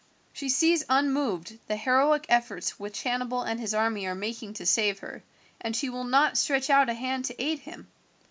She sees unmoved the heroic efforts which Hannibal and his army are making to save her, and she will not stretch out a hand to aid him.